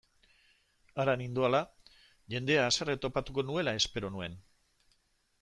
Hara nindoala, jendea haserre topatuko nuela espero nuen.